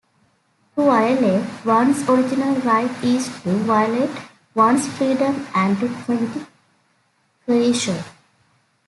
To violate one's original right is to violate one's freedom and to commit coercion.